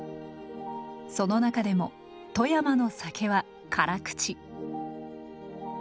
その中でも富山の酒は辛口。